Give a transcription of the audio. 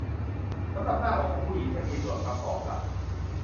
สำหรับหน้าอกของผู้หญิงจะมีส่วนประกอบหลัก